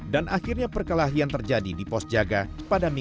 dan akhirnya perkelahian maut terjadi setelah pelaku berinisial ika dan korban